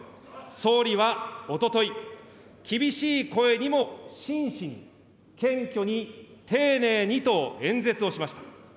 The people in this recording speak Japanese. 総理はおととい、厳しい声にも真摯に、謙虚に、丁寧にと演説をしました。